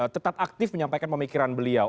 tetap aktif menyampaikan pemikiran beliau